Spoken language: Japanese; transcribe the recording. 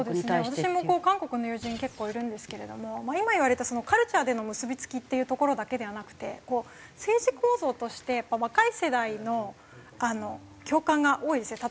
私も韓国の友人結構いるんですけれどもまあ今言われたカルチャーでの結び付きっていうところだけではなくてこう政治構造としてやっぱ若い世代の共感が多いですね。